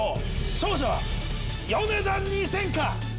勝者はヨネダ２０００か？